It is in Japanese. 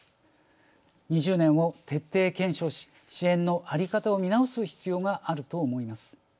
２０年を徹底検証し支援の在り方を見直す必要があると思います。